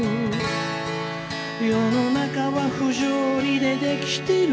「世の中は不条理で出来てる」